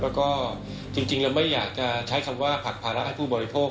แล้วก็จริงเราไม่อยากจะใช้คำว่าผลักภาระให้ผู้บริโภค